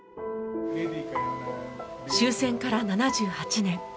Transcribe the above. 終戦から７８年。